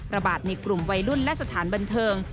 ระบาดในกลุ่มวัยรุ่นและสถานบันเทิง